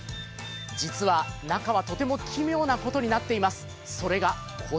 実は中はとても奇妙なことになっています。